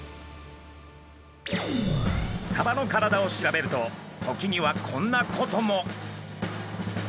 サバの体を調べると時にはこんなことも。